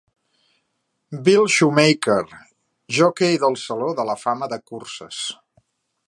Bill Shoemaker, joquei del saló de la fama de curses.